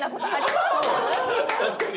確かに。